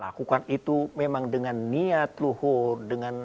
lakukan itu memang dengan niat luhur